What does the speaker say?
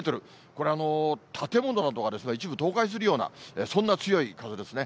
これ、建物などが一部倒壊するような、そんな強い風ですね。